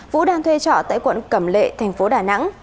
vũ đang thuê trọ tại quận cẩm lệ tp đà nẵng